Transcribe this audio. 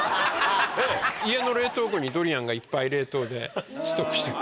家の冷凍庫にドリアンがいっぱい冷凍でストックしてます。